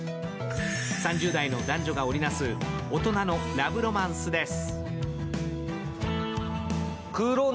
３０代の男女が織りなす大人のラブロマンスです。